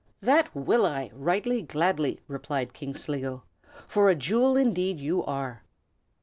"That will I, right gladly!" replied King Sligo, "for a jewel indeed you are."